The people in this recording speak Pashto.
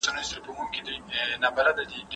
مباح طلاق کوم دی؟